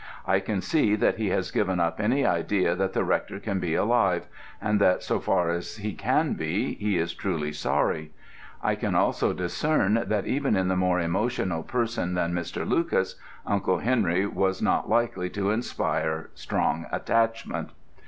I can see that he has given up any idea that the Rector can be alive, and that, so far as he can be, he is truly sorry. I can also discern that even in a more emotional person than Mr. Lucas, Uncle Henry was not likely to inspire strong attachment.